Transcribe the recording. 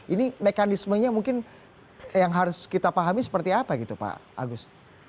ini mekanismenya mungkin yang harus kita pahami seperti apa gitu pak agus